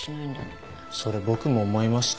それ僕も思いました。